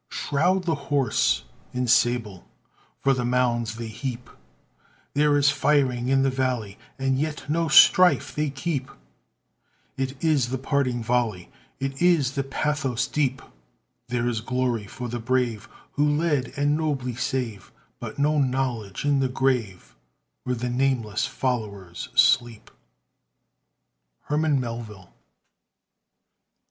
Shroud the horse in sable For the mounds they heap! There is firing in the Valley, And yet no strife they keep; It is the parting volley, It is the pathos deep. There is glory for the brave Who lead, and nobly save, But no knowledge in the grave Where the nameless followers sleep. HERMAN MELVILLE.